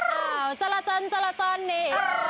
ก็คือเมื่อวานนี้เดินทางมาถึงคืนที่สองแล้วนะ